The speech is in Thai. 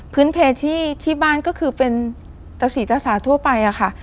พื้นเพชรที่บ้านก็คือเป็นตะสีตะสาทั่วไป